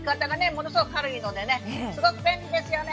ものすごく軽いのでねすごく便利ですよね。